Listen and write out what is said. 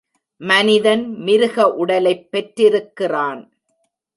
மனிதன் மிருக உடலைப் பெற்றிருக்கிறான்.